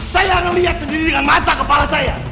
saya akan lihat sendiri dengan mata kepala saya